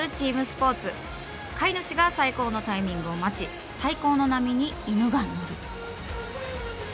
飼い主が最高のタイミングを待ち最高の波に犬が乗る。